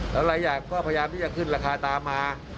แล้วหลายอย่างก็พยายามที่จะขึ้นราคาตามมา